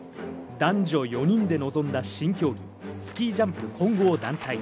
男女４人で臨んだ新競技・スキージャンプ混合団体。